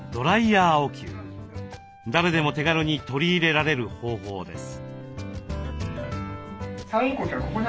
誰でも手軽に取り入れられる方法です。